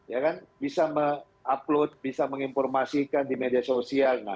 ya kan bisa mengupload bisa menginformasikan di media sosial